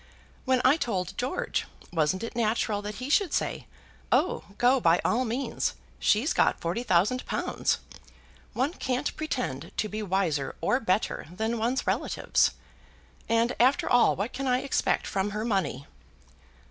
When I told George, wasn't it natural that he should say, 'Oh, go by all means. She's got forty thousand pounds!' One can't pretend to be wiser or better than one's relatives. And after all what can I expect from her money?"